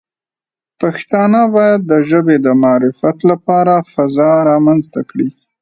پښتانه باید د ژبې د معرفت لپاره فضا رامنځته کړي.